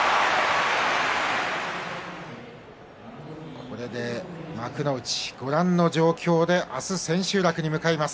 これで幕内、ご覧の状況で明日、千秋楽に向かいます。